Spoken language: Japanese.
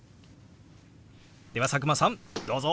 では佐久間さんどうぞ！